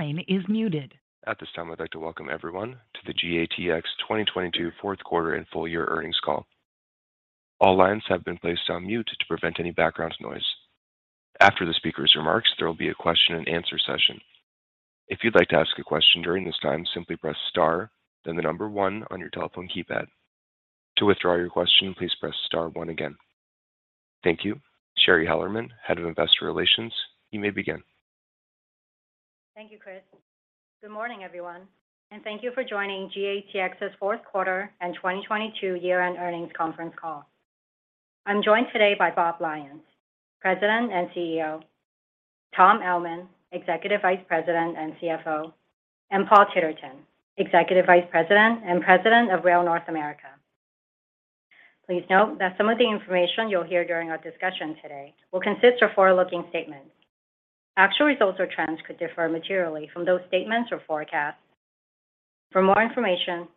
Line is muted. At this time, I'd like to welcome everyone to The GATX 2022 Fourth Quarter and Full Year Earnings Call. All lines have been placed on mute to prevent any background noise. After the speaker's remarks, there will be a question-and-answer session. If you'd like to ask a question during this time, simply press star then the number one on your telephone keypad. To withdraw your question, please press star one again. Thank you. Shari Hellerman, Head of Investor Relations, you may begin. Thank you, Chris. Good morning, everyone, and thank you for joining GATX's Fourth Quarter and 2022 Year-End Earnings Conference Call. I'm joined today by Bob Lyons, President and CEO, Tom Ellman, Executive Vice President and CFO, and Paul Titterton, Executive Vice President and President of Rail North America. Please note that some of the information you'll hear during our discussion today will consist of forward-looking statements. Actual results or trends could differ materially from those statements or forecasts. For more information,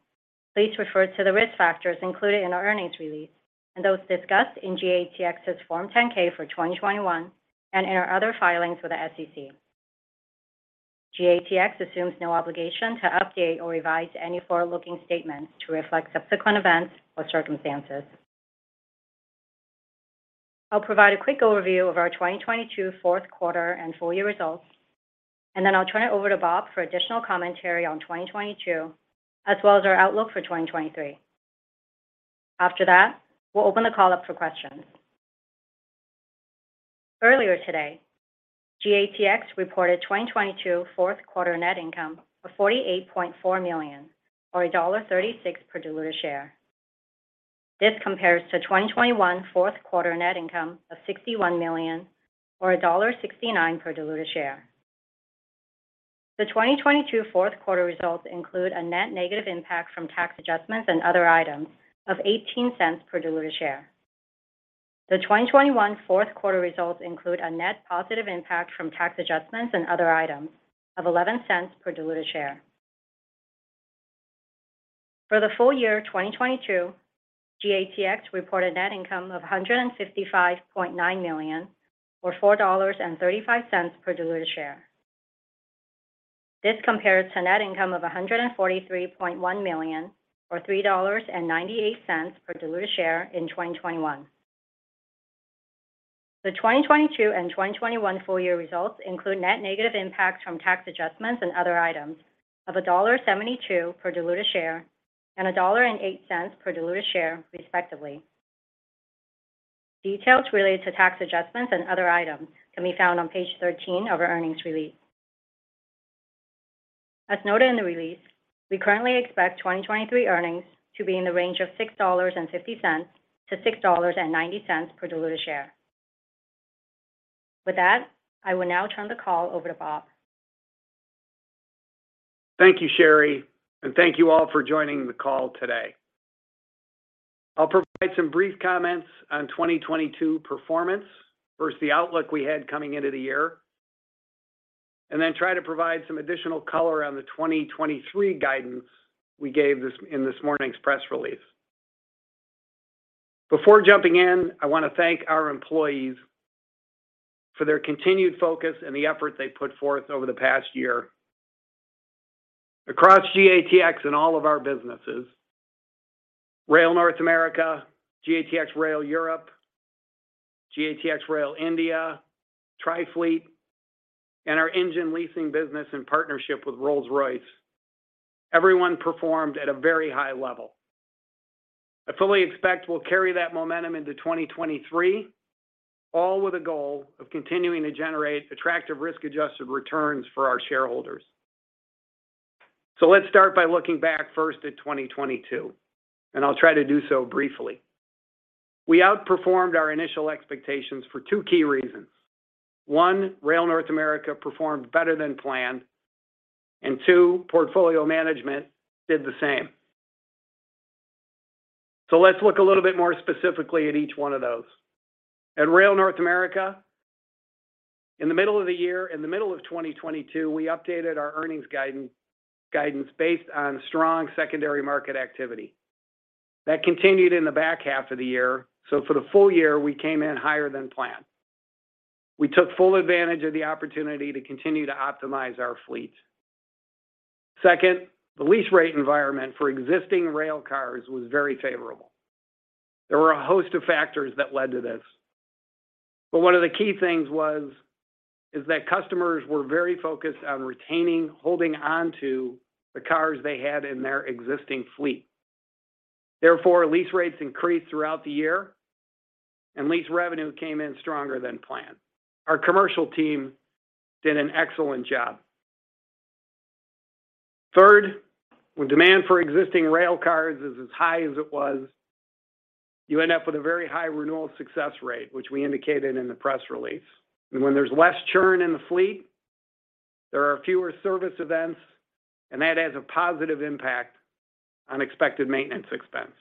please refer to the risk factors included in our earnings release and those discussed in GATX's Form 10-K for 2021 and in our other filings with the SEC. GATX assumes no obligation to update or revise any forward-looking statements to reflect subsequent events or circumstances. I'll provide a quick overview of our 2022 fourth quarter and full year results, and then I'll turn it over to Bob for additional commentary on 2022, as well as our outlook for 2023. After that, we'll open the call up for questions. Earlier today, GATX reported 2022 fourth quarter net income of $48.4 million or $1.36 per diluted share. This compares to 2021 fourth quarter net income of $61 million or $1.69 per diluted share. The 2022 fourth quarter results include a net negative impact from tax adjustments and other items of $0.18 per diluted share. The 2021 fourth quarter results include a net positive impact from tax adjustments and other items of $0.11 per diluted share. For the full year 2022, GATX reported net income of $155.9 million or $4.35 per diluted share. This compares to net income of $143.1 million or $3.98 per diluted share in 2021. The 2022 and 2021 full year results include net negative impacts from tax adjustments and other items of $1.72 per diluted share and $1.08 per diluted share, respectively. Details related to tax adjustments and other items can be found on page 13 of our earnings release. As noted in the release, we currently expect 2023 earnings to be in the range of $6.50-$6.90 per diluted share. With that, I will now turn the call over to Bob. Thank you, Shari, and thank you all for joining the call today. I'll provide some brief comments on 2022 performance versus the outlook we had coming into the year, and then try to provide some additional color on the 2023 guidance we gave in this morning's press release. Before jumping in, I want to thank our employees for their continued focus and the effort they put forth over the past year. Across GATX and all of our businesses, Rail North America, GATX Rail Europe, GATX Rail India, Trifleet, and our engine leasing business in partnership with Rolls-Royce, everyone performed at a very high level. I fully expect we'll carry that momentum into 2023, all with a goal of continuing to generate attractive risk-adjusted returns for our shareholders. Let's start by looking back first at 2022, and I'll try to do so briefly. We outperformed our initial expectations for two key reasons. One, Rail North America performed better than planned, and two, Portfolio Management did the same. Let's look a little bit more specifically at each one of those. At Rail North America, in the middle of the year, in the middle of 2022, we updated our earnings guidance based on strong secondary market activity. That continued in the back half of the year. For the full year, we came in higher than planned. We took full advantage of the opportunity to continue to optimize our fleet. Second, the lease rate environment for existing rail cars was very favorable. There were a host of factors that led to this, but one of the key things was that customers were very focused on retaining, holding on to the cars they had in their existing fleet. Lease rates increased throughout the year and lease revenue came in stronger than planned. Our commercial team did an excellent job. Third, when demand for existing railcars is as high as it was, you end up with a very high renewal success rate, which we indicated in the press release. When there's less churn in the fleet, there are fewer service events and that has a positive impact on expected maintenance expense.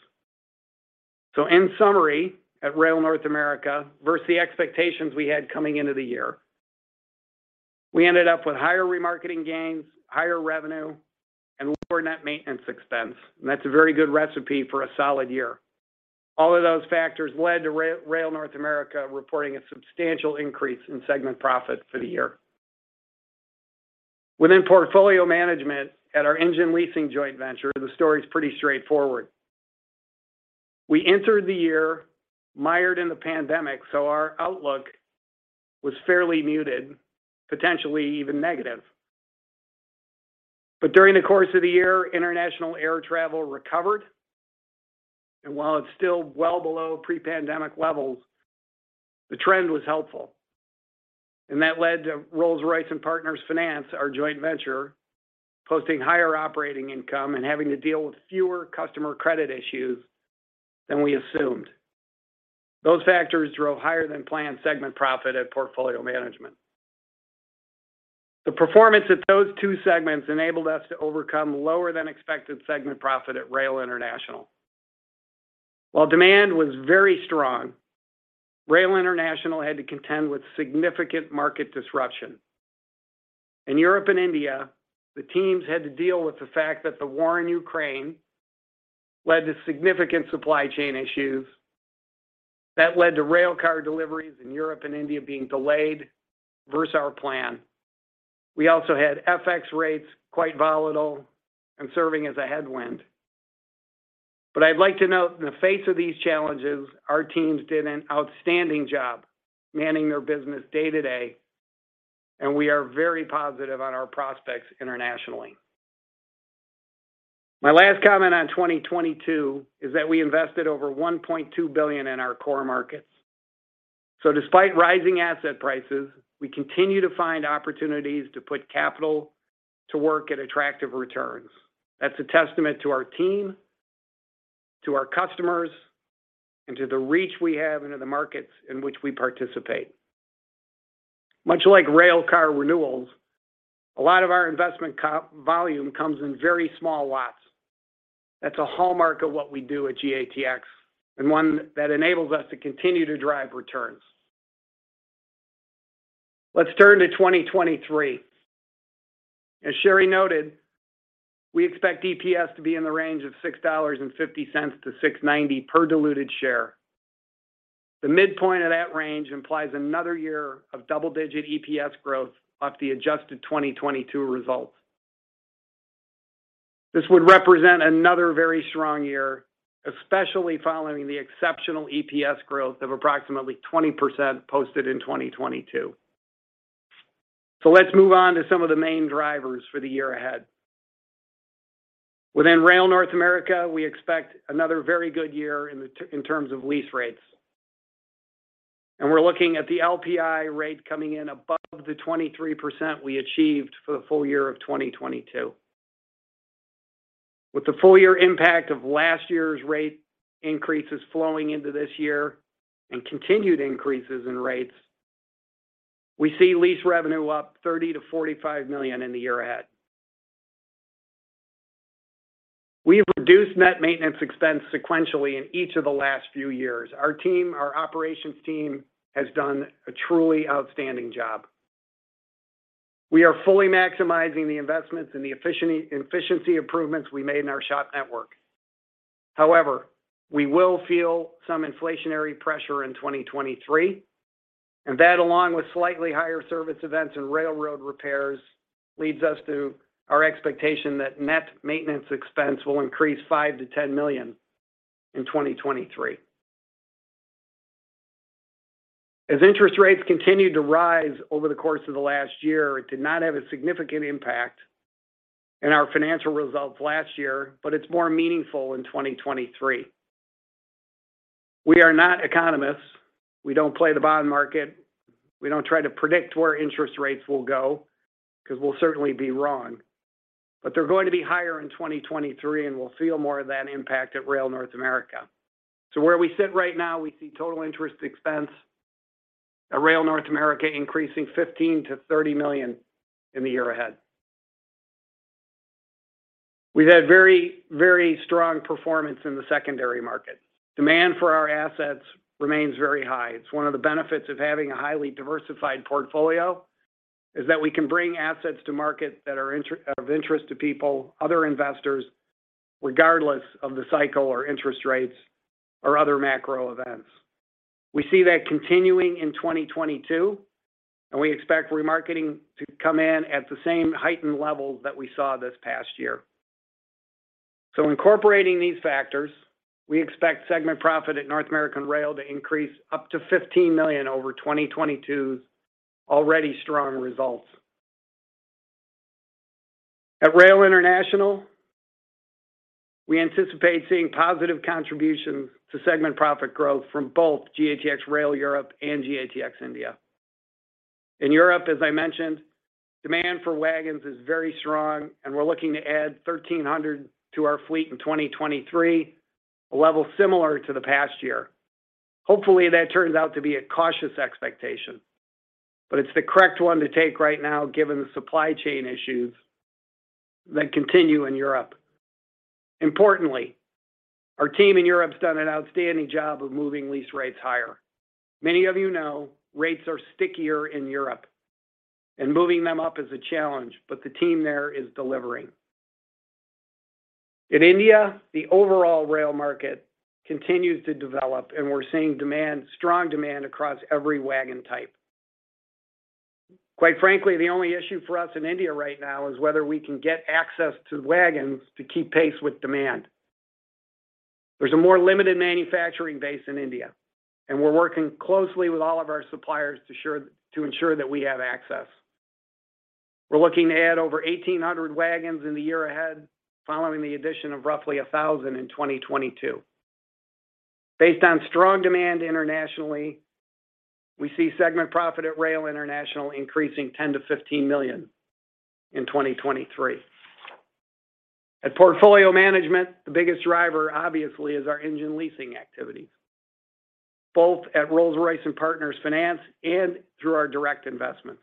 In summary, at Rail North America versus the expectations we had coming into the year, we ended up with higher remarketing gains, higher revenue, and lower net maintenance expense. That's a very good recipe for a solid year. All of those factors led to Rail North America reporting a substantial increase in segment profit for the year. Within Portfolio Management at our engine leasing joint venture, the story is pretty straightforward. We entered the year mired in the pandemic, so our outlook was fairly muted, potentially even negative. During the course of the year, international air travel recovered. While it's still well below pre-pandemic levels, the trend was helpful. That led to Rolls-Royce & Partners Finance, our joint venture, posting higher operating income and having to deal with fewer customer credit issues than we assumed. Those factors drove higher-than-planned segment profit at Portfolio Management. The performance at those two segments enabled us to overcome lower-than-expected segment profit at Rail International. While demand was very strong, Rail International had to contend with significant market disruption. In Europe and India, the teams had to deal with the fact that the war in Ukraine led to significant supply chain issues. That led to railcar deliveries in Europe and India being delayed versus our plan. We also had FX rates quite volatile and serving as a headwind. I'd like to note in the face of these challenges, our teams did an outstanding job manning their business day-to-day, and we are very positive on our prospects internationally. My last comment on 2022 is that we invested over $1.2 billion in our core markets. Despite rising asset prices, we continue to find opportunities to put capital to work at attractive returns. That's a testament to our team, to our customers, and to the reach we have into the markets in which we participate. Much like railcar renewals, a lot of our investment volume comes in very small lots. That's a hallmark of what we do at GATX and one that enables us to continue to drive returns. Let's turn to 2023. As Shari noted, we expect EPS to be in the range of $6.50-$6.90 per diluted share. The midpoint of that range implies another year of double-digit EPS growth off the adjusted 2022 results. This would represent another very strong year, especially following the exceptional EPS growth of approximately 20% posted in 2022. Let's move on to some of the main drivers for the year ahead. Within Rail North America, we expect another very good year in terms of lease rates. We're looking at the LPI rate coming in above the 23% we achieved for the full year of 2022. With the full year impact of last year's rate increases flowing into this year and continued increases in rates, we see lease revenue up $30 million-$45 million in the year ahead. We've reduced net maintenance expense sequentially in each of the last few years. Our team, our operations team, has done a truly outstanding job. We are fully maximizing the investments and the efficiency improvements we made in our shop network. We will feel some inflationary pressure in 2023, and that, along with slightly higher service events and railroad repairs, leads us to our expectation that net maintenance expense will increase $5 million-$10 million in 2023. As interest rates continued to rise over the course of the last year, it did not have a significant impact in our financial results last year, but it's more meaningful in 2023. We are not economists. We don't play the bond market. We don't try to predict where interest rates will go because we'll certainly be wrong. They're going to be higher in 2023, and we'll feel more of that impact at Rail North America. Where we sit right now, we see total interest expense at Rail North America increasing $15 million-$30 million in the year ahead. We've had very, very strong performance in the secondary market. Demand for our assets remains very high. It's one of the benefits of having a highly diversified portfolio, is that we can bring assets to market that are of interest to people, other investors, regardless of the cycle or interest rates or other macro events. We see that continuing in 2022, and we expect remarketing to come in at the same heightened levels that we saw this past year. Incorporating these factors, we expect segment profit at Rail North America to increase up to $15 million over 2022's already strong results. At Rail International, we anticipate seeing positive contributions to segment profit growth from both GATX Rail Europe and GATX India. In Europe, as I mentioned, demand for wagons is very strong. We're looking to add 1,300 to our fleet in 2023, a level similar to the past year. Hopefully, that turns out to be a cautious expectation, it's the correct one to take right now given the supply chain issues that continue in Europe. Importantly, our team in Europe has done an outstanding job of moving lease rates higher. Many of you know rates are stickier in Europe. Moving them up is a challenge, the team there is delivering. In India, the overall rail market continues to develop. We're seeing strong demand across every wagon type. Quite frankly, the only issue for us in India right now is whether we can get access to the wagons to keep pace with demand. There's a more limited manufacturing base in India, and we're working closely with all of our suppliers to ensure that we have access. We're looking to add over 1,800 wagons in the year ahead following the addition of roughly 1,000 in 2022. Based on strong demand internationally, we see segment profit at Rail International increasing $10 million-$15 million in 2023. At Portfolio Management, the biggest driver obviously is our engine leasing activities, both at Rolls-Royce & Partners Finance and through our direct investments.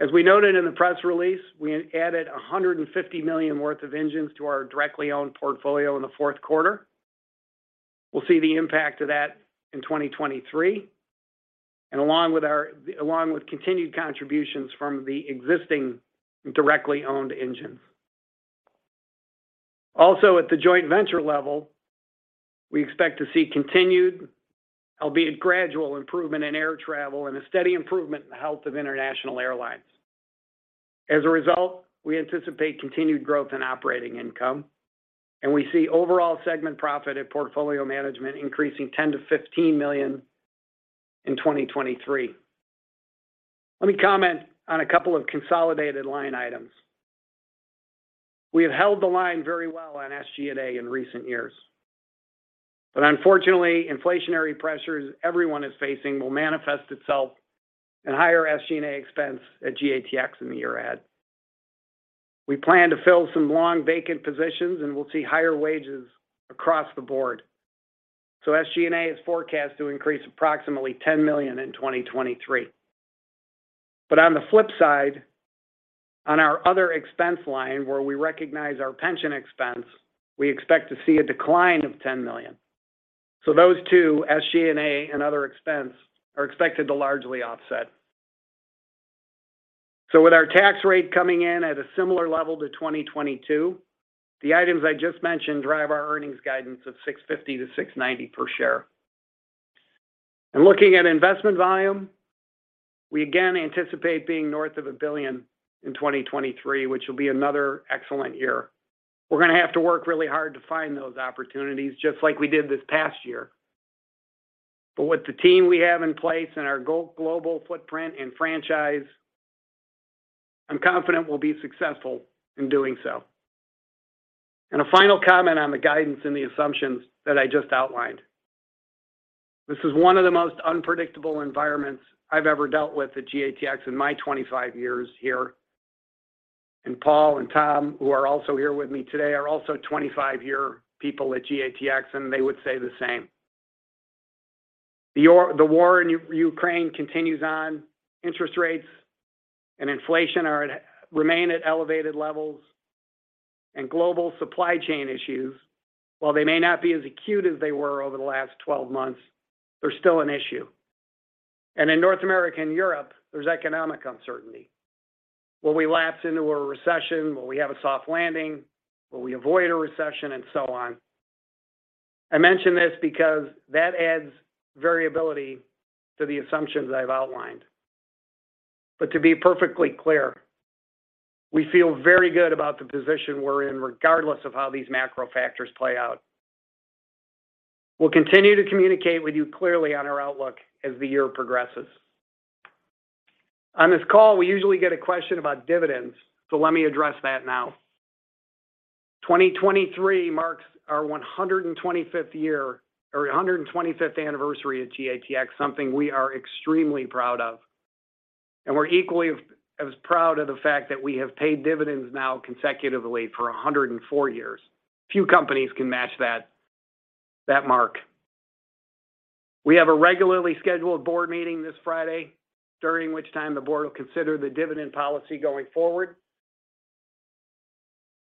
As we noted in the press release, we added $150 million worth of engines to our directly owned portfolio in the fourth quarter. We'll see the impact of that in 2023 and along with continued contributions from the existing directly owned engines. Also at the joint venture level, we expect to see continued, albeit gradual, improvement in air travel and a steady improvement in the health of international airlines. As a result, we anticipate continued growth in operating income, and we see overall segment profit at Portfolio Management increasing $10 million-$15 million in 2023. Let me comment on a couple of consolidated line items. We have held the line very well on SG&A in recent years. Unfortunately, inflationary pressures everyone is facing will manifest itself in higher SG&A expense at GATX in the year ahead. We plan to fill some long-vacant positions, and we'll see higher wages across the board. SG&A is forecast to increase approximately $10 million in 2023. On the flip side, on our other expense line where we recognize our pension expense, we expect to see a decline of $10 million. Those two, SG&A and other expense, are expected to largely offset. With our tax rate coming in at a similar level to 2022, the items I just mentioned drive our earnings guidance of $6.50-$6.90 per share. Looking at investment volume, we again anticipate being north of $1 billion in 2023, which will be another excellent year. We're gonna have to work really hard to find those opportunities, just like we did this past year. With the team we have in place and our global footprint and franchise, I'm confident we'll be successful in doing so. A final comment on the guidance and the assumptions that I just outlined. This is one of the most unpredictable environments I've ever dealt with at GATX in my 25 years here. Paul and Tom, who are also here with me today, are also 25-year people at GATX, and they would say the same. The war in Ukraine continues on. Interest rates and inflation remain at elevated levels. Global supply chain issues, while they may not be as acute as they were over the last 12 months, they're still an issue. In North America and Europe, there's economic uncertainty. Will we lapse into a recession? Will we have a soft landing? Will we avoid a recession, and so on? I mention this because that adds variability to the assumptions I've outlined. To be perfectly clear, we feel very good about the position we're in, regardless of how these macro factors play out. We'll continue to communicate with you clearly on our outlook as the year progresses. On this call, we usually get a question about dividends, so let me address that now. 2023 marks our 125th year or our 125th anniversary at GATX, something we are extremely proud of. We're equally as proud of the fact that we have paid dividends now consecutively for 104 years. Few companies can match that mark. We have a regularly scheduled board meeting this Friday, during which time the board will consider the dividend policy going forward.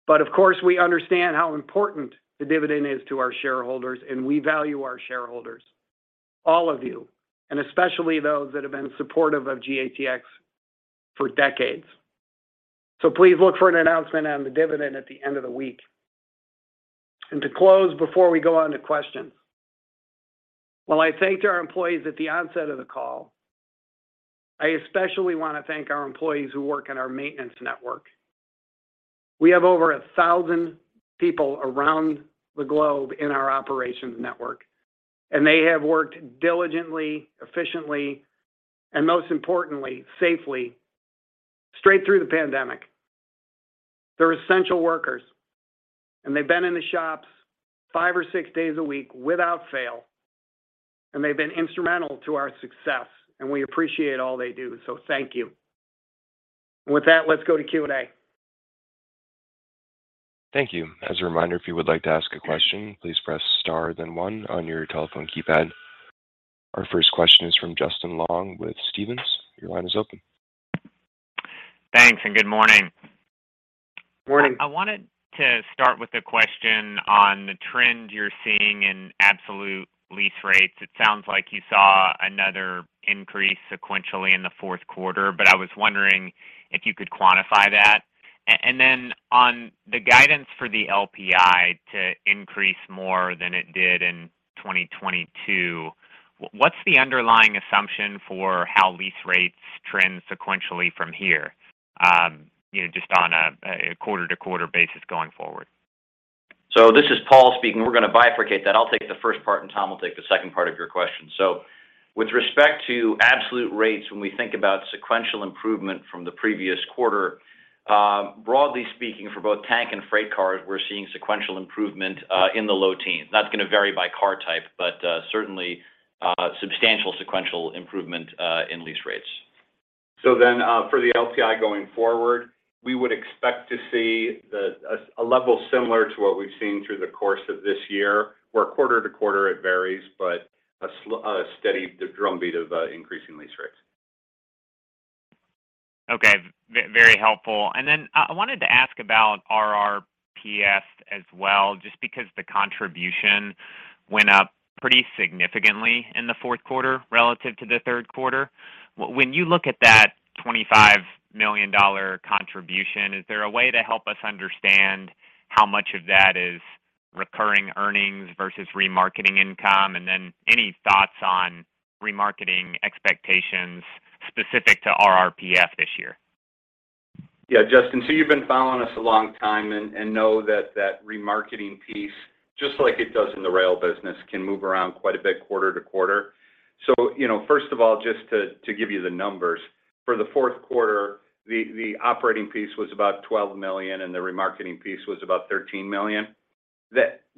Of course, we understand how important the dividend is to our shareholders, and we value our shareholders, all of you, and especially those that have been supportive of GATX for decades. Please look for an announcement on the dividend at the end of the week. To close before we go on to questions, while I thanked our employees at the onset of the call, I especially want to thank our employees who work in our maintenance network. We have over 1,000 people around the globe in our operations network, and they have worked diligently, efficiently, and most importantly, safely straight through the pandemic. They're essential workers, and they've been in the shops five or six days a week without fail, and they've been instrumental to our success, and we appreciate all they do. Thank you. With that, let's go to Q&A. Thank you. As a reminder, if you would like to ask a question, please press star then one on your telephone keypad. Our first question is from Justin Long with Stephens. Your line is open. Thanks. Good morning.I wanted to start with a question on the trend you're seeing in absolute lease rates. It sounds like you saw another increase sequentially in the fourth quarter, but I was wondering if you could quantify that. Then on the guidance for the LPI to increase more than it did in 2022, what's the underlying assumption for how lease rates trend sequentially from here, you know, just on a quarter-to-quarter basis going forward? This is Paul speaking. We're gonna bifurcate that. I'll take the first part, and Tom will take the second part of your question. With respect to absolute rates, when we think about sequential improvement from the previous quarter, broadly speaking, for both tank and freight cars, we're seeing sequential improvement in the low teens. That's gonna vary by car type, but certainly, substantial sequential improvement in lease rates. For the LPI going forward, we would expect to see a level similar to what we've seen through the course of this year, where quarter to quarter it varies, but a steady drumbeat of increasing lease rates. Okay. Very helpful. I wanted to ask about RRPF as well, just because the contribution went up pretty significantly in the fourth quarter relative to the third quarter. When you look at that $25 million contribution, is there a way to help us understand how much of that is recurring earnings versus remarketing income? Any thoughts on remarketing expectations specific to RRPF this year? Justin. You've been following us a long time and know that that remarketing piece, just like it does in the rail business, can move around quite a bit quarter to quarter. You know, first of all, just to give you the numbers, for the fourth quarter, the operating piece was about $12 million, and the remarketing piece was about $13 million.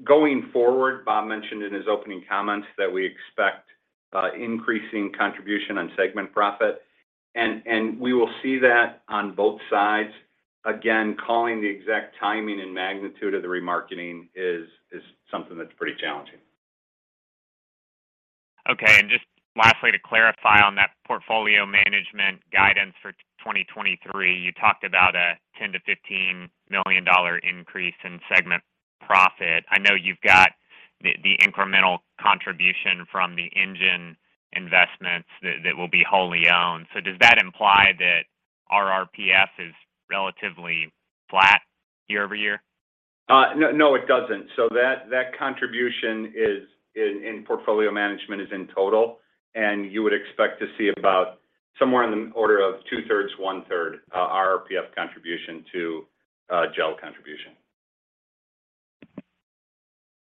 Going forward, Bob mentioned in his opening comments that we expect increasing contribution on segment profit, and we will see that on both sides. Again, calling the exact timing and magnitude of the remarketing is something that's pretty challenging. Okay. Just lastly, to clarify on that Portfolio Management guidance for 2023, you talked about a $10 million-$15 million increase in segment profit. I know you've got the incremental contribution from the engine investments that will be wholly owned. Does that imply that RRPF is relatively flat year-over-year? No, no, it doesn't. That, that contribution is in Portfolio Management is in total, and you would expect to see about somewhere in the order of two-thirds, one-third, RRPF contribution to GEL contribution.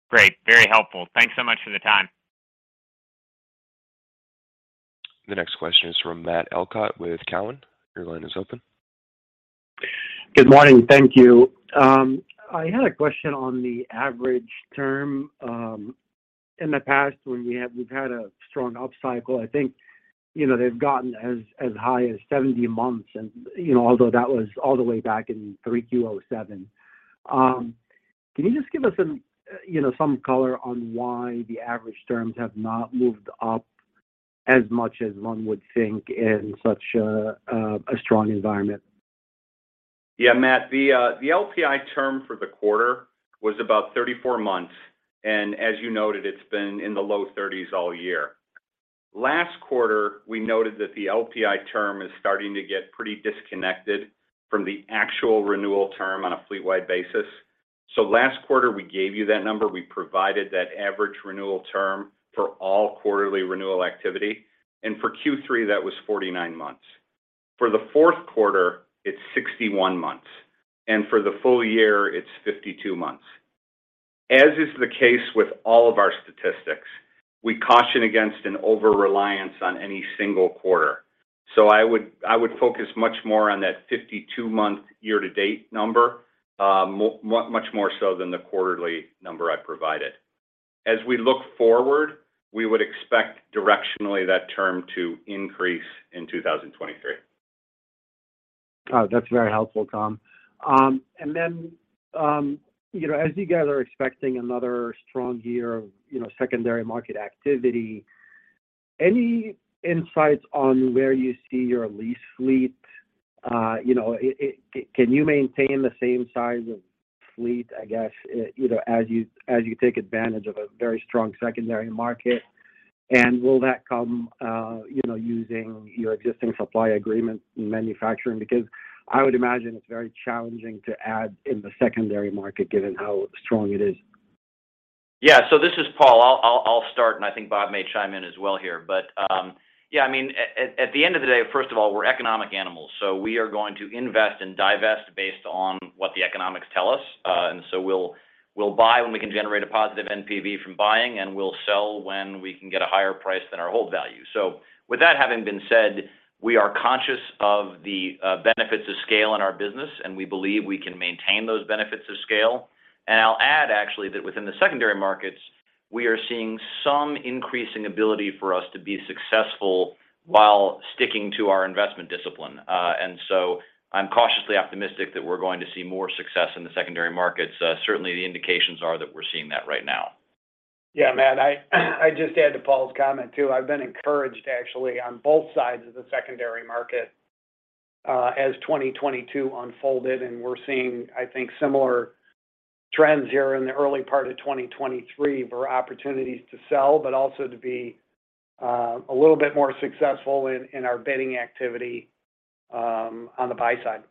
Great. Very helpful. Thanks so much for the time. The next question is from Matt Elkott with Cowen. Your line is open. Good morning. Thank you. I had a question on the average term. In the past when we've had a strong upcycle, I think, you know, they've gotten as high as 70 months and, you know, although that was all the way back in 3Q07. Can you just give us, you know, some color on why the average terms have not moved up as much as one would think in such a, a strong environment? Yeah, Matt. The LPI term for the quarter was about 34 months, As you noted, it's been in the low 30s all year. Last quarter, we noted that the LPI term is starting to get pretty disconnected from the actual renewal term on a fleetwide basis. Last quarter, we gave you that number. We provided that average renewal term for all quarterly renewal activity, for Q3, that was 49 months. For the fourth quarter, it's 61 months. For the full year, it's 52 months. As is the case with all of our statistics, we caution against an over-reliance on any single quarter. I would focus much more on that 52-month year-to-date number, much more so than the quarterly number I provided. As we look forward, we would expect directionally that term to increase in 2023. Oh, that's very helpful, Tom. Then, you know, as you guys are expecting another strong year of, you know, secondary market activity, any insights on where you see your lease fleet? You know, can you maintain the same size of fleet, I guess, you know, as you, as you take advantage of a very strong secondary market? Will that come, you know, using your existing supply agreement manufacturing? Because I would imagine it's very challenging to add in the secondary market given how strong it is. Yeah. This is Paul. I'll start, and I think Bob may chime in as well here. I mean, at the end of the day, first of all, we're economic animals, so we are going to invest and divest based on what the economics tell us. We'll buy when we can generate a positive NPV from buying, and we'll sell when we can get a higher price than our hold value. With that having been said, we are conscious of the benefits of scale in our business, and we believe we can maintain those benefits of scale. I'll add actually that within the secondary markets, we are seeing some increasing ability for us to be successful while sticking to our investment discipline. I'm cautiously optimistic that we're going to see more success in the secondary markets. Certainly the indications are that we're seeing that right now. Yeah, Matt, I just add to Paul's comment too. I've been encouraged actually on both sides of the secondary market, as 2022 unfolded, and we're seeing, I think, similar trends here in the early part of 2023 for opportunities to sell, but also to be a little bit more successful in our bidding activity on the buy side.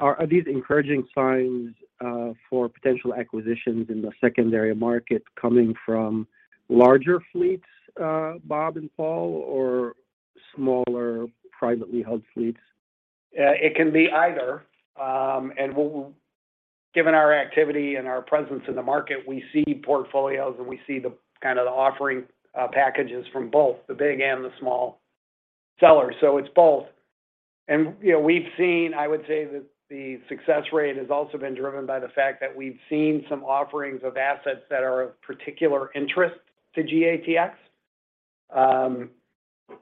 Are these encouraging signs for potential acquisitions in the secondary market coming from larger fleets, Bob and Paul, or smaller privately held fleets? It can be either. Given our activity and our presence in the market, we see portfolios, and we see the kind of the offering packages from both the big and the small sellers. It's both. You know, we've seen, I would say that the success rate has also been driven by the fact that we've seen some offerings of assets that are of particular interest to GATX,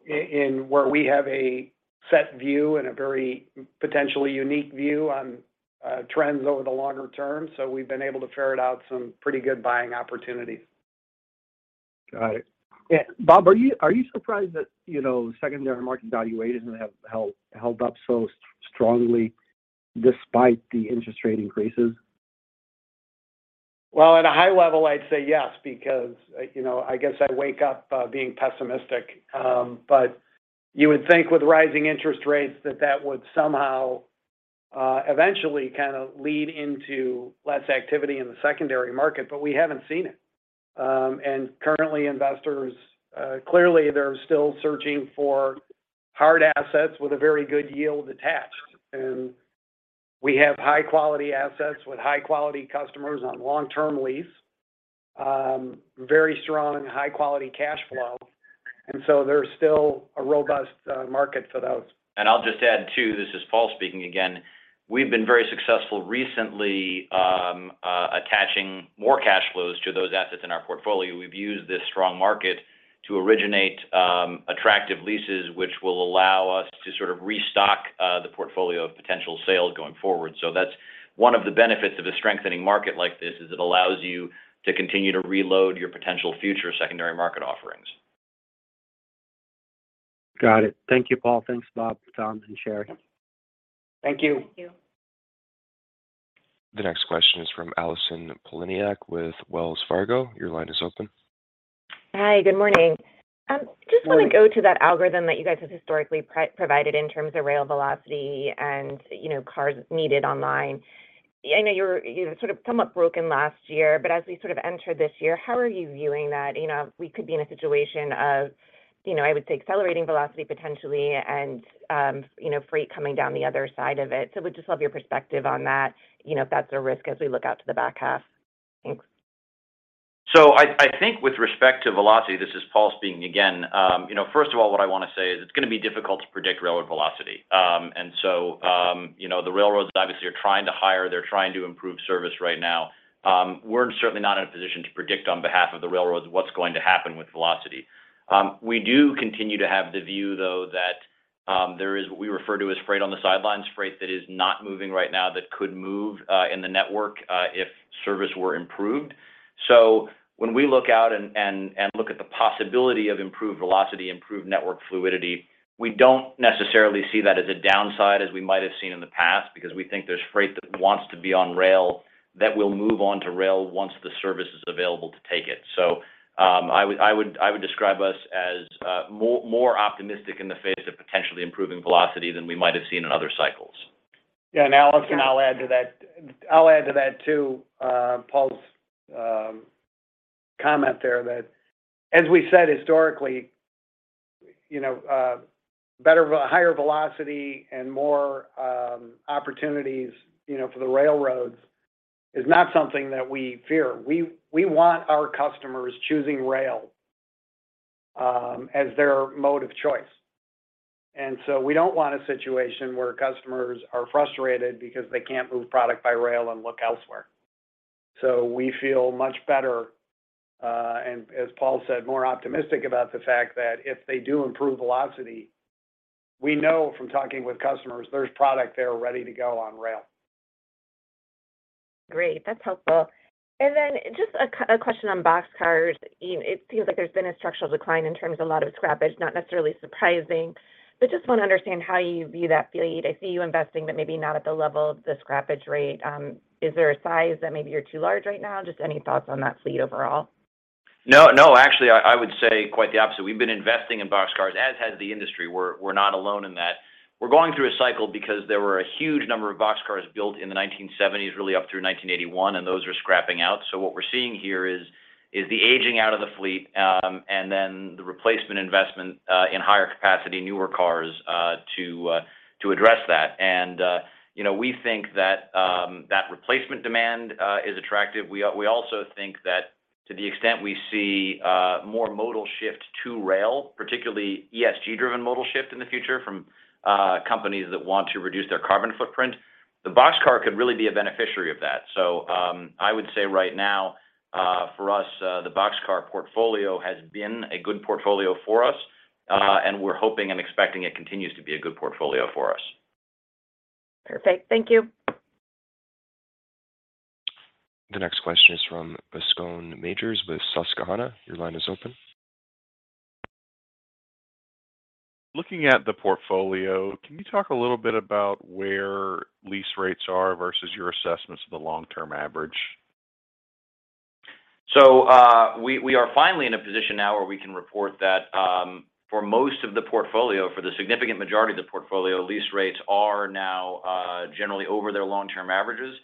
in where we have a set view and a very potentially unique view on trends over the longer term. We've been able to ferret out some pretty good buying opportunities. Got it. Bob, are you surprised that, you know, secondary market valuations have held up so strongly despite the interest rate increases? At a high level, I'd say yes because, you know, I guess I wake up being pessimistic. You would think with rising interest rates that that would somehow eventually kinda lead into less activity in the secondary market, but we haven't seen it. Currently, investors, clearly they're still searching for hard assets with a very good yield attached. We have high-quality assets with high-quality customers on long-term lease, very strong high-quality cash flows, there's still a robust market for those. I'll just add, too, this is Paul speaking again. We've been very successful recently, attaching more cash flows to those assets in our portfolio. We've used this strong market to originate attractive leases, which will allow us to sort of restock the portfolio of potential sales going forward. That's one of the benefits of a strengthening market like this, is it allows you to continue to reload your potential future secondary market offerings. Got it. Thank you, Paul. Thanks, Bob, Tom, and Shari. Thank you. Thank you. The next question is from Allison Poliniak with Wells Fargo. Your line is open. Hi. Good morning. Just wanna go to that algorithm that you guys have historically provided in terms of rail velocity and, you know, cars needed online. I know you sort of somewhat broken last year, but as we sort of enter this year, how are you viewing that? You know, we could be in a situation of, you know, I would say accelerating velocity potentially and, you know, freight coming down the other side of it. Would just love your perspective on that, you know, if that's a risk as we look out to the back half. Thanks. I think with respect to velocity, this is Paul speaking again, you know, first of all, what I wanna say is it's gonna be difficult to predict railroad velocity. You know, the railroads obviously are trying to hire. They're trying to improve service right now. We're certainly not in a position to predict on behalf of the railroads what's going to happen with velocity. We do continue to have the view, though, that there is what we refer to as freight on the sidelines, freight that is not moving right now that could move in the network if service were improved. When we look out and look at the possibility of improved velocity, improved network fluidity, we don't necessarily see that as a downside as we might have seen in the past because we think there's freight that wants to be on rail that will move on to rail once the service is available to take it. I would describe us as more optimistic in the face of potentially improving velocity than we might have seen in other cycles. Yeah. Allison, I'll add to that. I'll add to that too, Paul's comment there that as we said historically, you know, better higher velocity and more opportunities, you know, for the railroads is not something that we fear. We want our customers choosing rail as their mode of choice. We don't want a situation where customers are frustrated because they can't move product by rail and look elsewhere. We feel much better, and as Paul said, more optimistic about the fact that if they do improve velocity, we know from talking with customers there's product there ready to go on rail. Great. That's helpful. Just a question on boxcars. You know, it seems like there's been a structural decline in terms of lot of scrappage, not necessarily surprising. Just wanna understand how you view that fleet. I see you investing, but maybe not at the level of the scrappage rate. Is there a size that maybe you're too large right now? Just any thoughts on that fleet overall? No, no, actually I would say quite the opposite. We've been investing in boxcars, as has the industry. We're not alone in that. We're going through a cycle because there were a huge number of boxcars built in the 1970s, really up through 1981, and those are scrapping out. What we're seeing here is the aging out of the fleet, and then the replacement investment in higher capacity, newer cars to address that. You know, we think that replacement demand is attractive. We also think that to the extent we see more modal shift to rail, particularly ESG-driven modal shift in the future from companies that want to reduce their carbon footprint, the boxcar could really be a beneficiary of that. I would say right now, for us, the boxcar portfolio has been a good portfolio for us, and we're hoping and expecting it continues to be a good portfolio for us. Perfect. Thank you. The next question is from Bascome Majors with Susquehanna. Your line is open. Looking at the portfolio, can you talk a little bit about where lease rates are versus your assessments of the long-term average? We are finally in a position now where we can report that, for most of the portfolio, for the significant majority of the portfolio, lease rates are now generally over their long-term averages.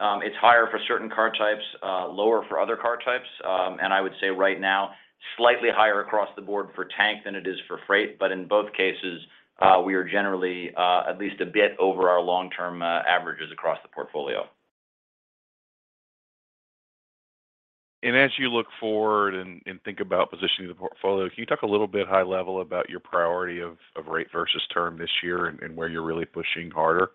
It's higher for certain car types, lower for other car types. I would say right now, slightly higher across the board for tank than it is for freight. In both cases, we are generally, at least a bit over our long-term averages across the portfolio. As you look forward and think about positioning the portfolio, can you talk a little bit high level about your priority of rate versus term this year and where you're really pushing harder?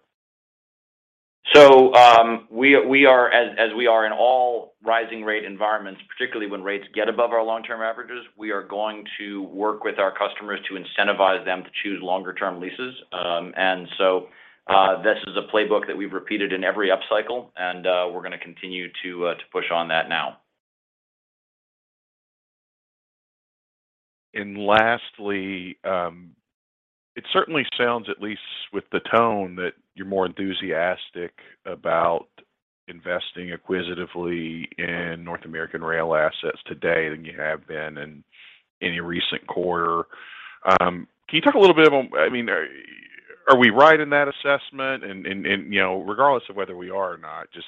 We are as we are in all rising rate environments, particularly when rates get above our long-term averages, we are going to work with our customers to incentivize them to choose longer term leases. This is a playbook that we've repeated in every upcycle and, we're gonna continue to push on that now. Lastly, it certainly sounds, at least with the tone, that you're more enthusiastic about investing acquisitively in North American rail assets today than you have been in a recent quarter. Can you talk a little bit about? I mean, are we right in that assessment? You know, regardless of whether we are or not, just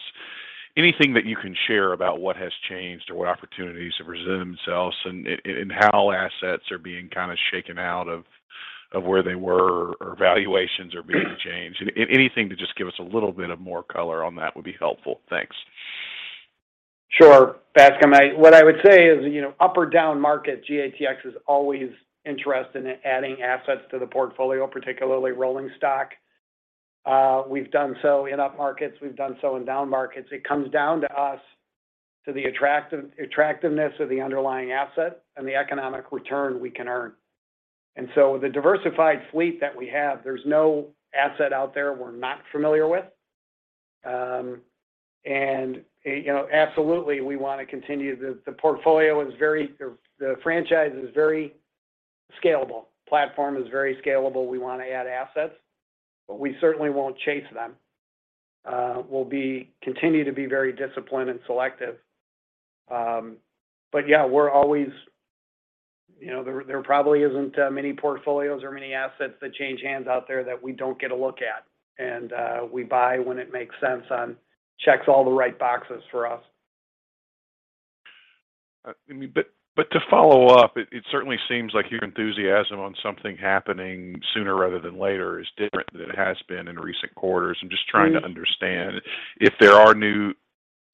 anything that you can share about what has changed or what opportunities have presented themselves and how assets are being kind of shaken out of where they were or valuations are being changed. Anything to just give us a little bit of more color on that would be helpful. Thanks. Sure, Bascome. What I would say is, you know, up or down market, GATX is always interested in adding assets to the portfolio, particularly rolling stock. We've done so in up markets, we've done so in down markets. It comes down to us to the attractiveness of the underlying asset and the economic return we can earn. The diversified fleet that we have, there's no asset out there we're not familiar with. And, you know, absolutely we wanna continue. The portfolio is very, the franchise is very scalable. Platform is very scalable. We wanna add assets, but we certainly won't chase them. We'll continue to be very disciplined and selective. But yeah, we're always... You know, there probably isn't many portfolios or many assets that change hands out there that we don't get a look at. We buy when it makes sense and checks all the right boxes for us. I mean, but to follow up, it certainly seems like your enthusiasm on something happening sooner rather than later is different than it has been in recent quarters. I'm just trying to understand if there are new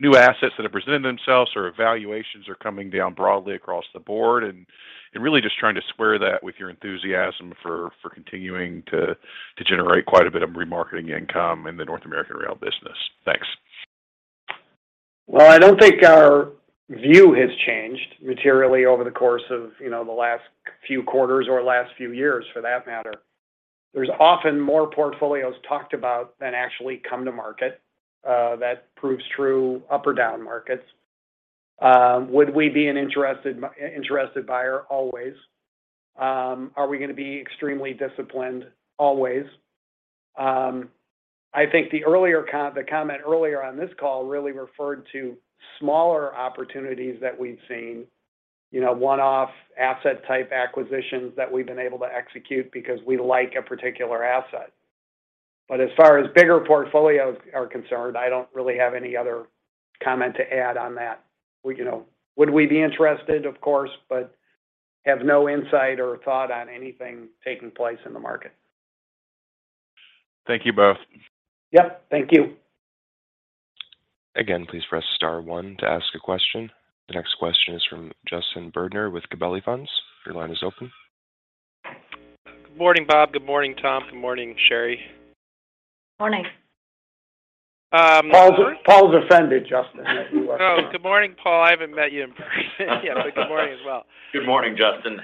assets that have presented themselves or evaluations are coming down broadly across the board and really just trying to square that with your enthusiasm for continuing to generate quite a bit of remarketing income in the North American rail business. Thanks. I don't think our view has changed materially over the course of, you know, the last few quarters or last few years for that matter. There's often more portfolios talked about than actually come to market, that proves true up or down markets. Would we be an interested buyer? Always. Are we gonna be extremely disciplined? Always. I think the earlier comment earlier on this call really referred to smaller opportunities that we've seen, you know, one-off asset type acquisitions that we've been able to execute because we like a particular asset. As far as bigger portfolios are concerned, I don't really have any other comment to add on that. We, you know, would we be interested? Of course, but have no insight or thought on anything taking place in the market. Thank you both. Yep. Thank you. Again, please press star one to ask a question. The next question is from Justin Bergner with Gabelli Funds. Your line is open. Good morning, Bob. Good morning, Tom. Good morning, Shari. Morning. Paul's offended, Justin. Good morning, Paul. I haven't met you in person. Yeah. Good morning as well. Good morning, Justin.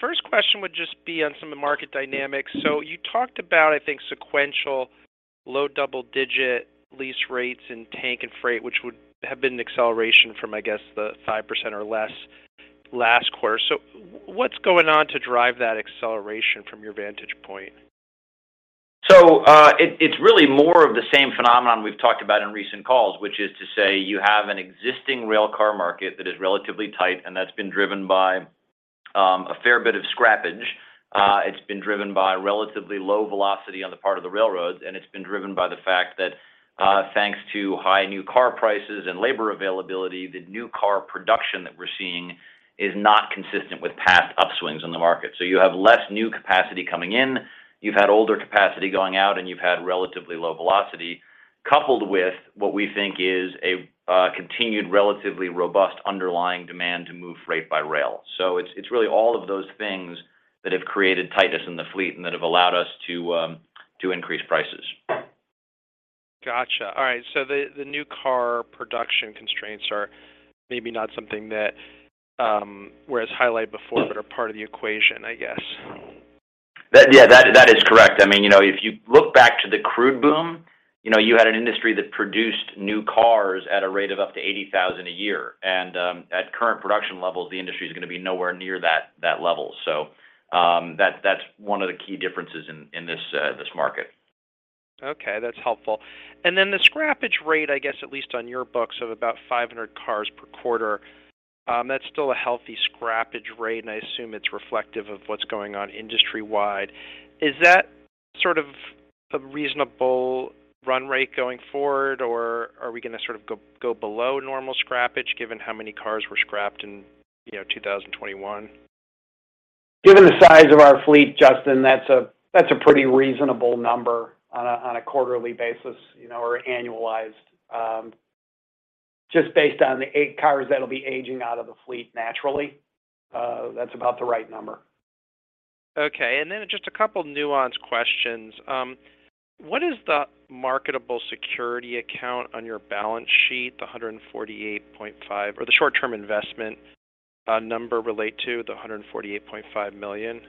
First question would just be on some of the market dynamics. You talked about, I think, sequential low double-digit lease rates in tank and freight, which would have been an acceleration from, I guess, the 5% or less last quarter. What's going on to drive that acceleration from your vantage point? It's really more of the same phenomenon we've talked about in recent calls, which is to say you have an existing railcar market that is relatively tight, and that's been driven by a fair bit of scrappage. It's been driven by relatively low velocity on the part of the railroads, and it's been driven by the fact that thanks to high new car prices and labor availability, the new car production that we're seeing is not consistent with past upswings in the market. You have less new capacity coming in, you've had older capacity going out, and you've had relatively low velocity, coupled with what we think is a continued, relatively robust underlying demand to move freight by rail. It's really all of those things that have created tightness in the fleet and that have allowed us to increase prices. All right. The new car production constraints are maybe not something that, whereas highlighted before, but are part of the equation, I guess. Yeah, that is correct. I mean, you know, if you look back to the crude boom, you know, you had an industry that produced new cars at a rate of up to 80,000 a year. At current production levels, the industry is gonna be nowhere near that level. That, that's one of the key differences in this market. Okay, that's helpful. Then the scrappage rate, I guess, at least on your books of about 500 cars per quarter, that's still a healthy scrappage rate, and I assume it's reflective of what's going on industry-wide. Is that sort of a reasonable run rate going forward, or are we gonna sort of go below normal scrappage given how many cars were scrapped in, you know, 2021? Given the size of our fleet, Justin, that's a pretty reasonable number on a quarterly basis, you know, or annualized. Just based on the eight cars that'll be aging out of the fleet naturally, that's about the right number. Okay. Just a couple nuanced questions. What is the marketable security account on your balance sheet, the 148.5 or the short-term investment number relate to, the $148.5 million?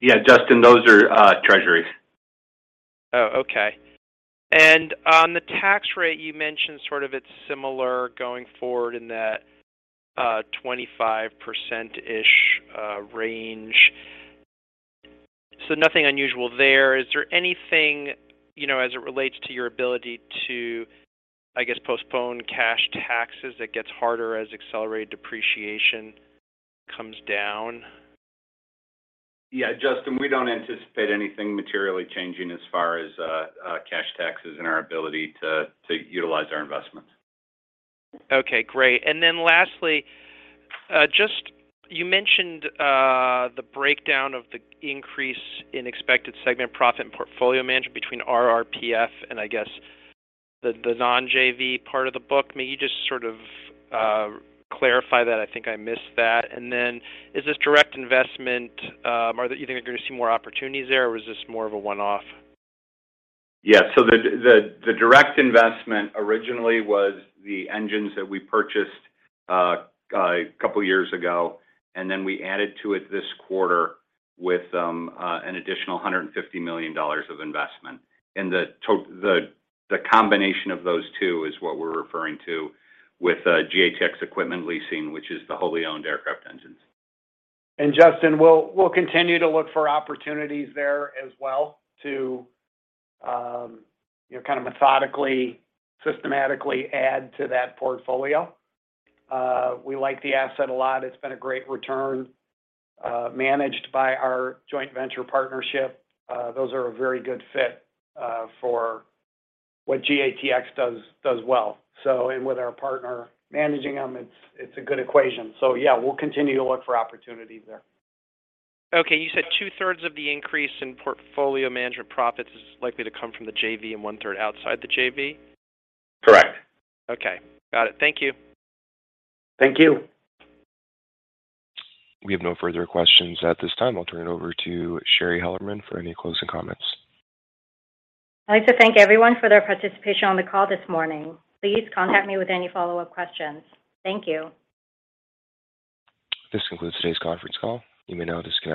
Yeah, Justin, those are treasuries. Oh, okay. On the tax rate, you mentioned sort of it's similar going forward in that 25%-ish range. Nothing unusual there. Is there anything, you know, as it relates to your ability to, I guess, postpone cash taxes that gets harder as accelerated depreciation comes down? Justin, we don't anticipate anything materially changing as far as cash taxes and our ability to utilize our investments. Okay, great. Lastly, just you mentioned the breakdown of the increase in expected segment profit and Portfolio Management between RRPF and I guess the non-JV part of the book. May you just sort of clarify that? I think I missed that. Is this direct investment, you think you're gonna see more opportunities there, or was this more of a one-off? Yeah. The direct investment originally was the engines that we purchased a couple years ago, and then we added to it this quarter with an additional $150 million of investment. The combination of those two is what we're referring to with GATX Engine Leasing, which is the wholly owned aircraft engines. Justin, we'll continue to look for opportunities there as well to, you know, kind of methodically, systematically add to that portfolio. We like the asset a lot. It's been a great return, managed by our joint venture partnership. Those are a very good fit for what GATX does well. And with our partner managing them, it's a good equation. Yeah, we'll continue to look for opportunities there. Okay. You said two-thirds of the increase in Portfolio Management profits is likely to come from the JV and 1/3 outside the JV? Correct. Okay. Got it. Thank you. Thank you. We have no further questions at this time. I'll turn it over to Shari Hellerman for any closing comments. I'd like to thank everyone for their participation on the call this morning. Please contact me with any follow-up questions. Thank you. This concludes today's conference call. You may now disconnect.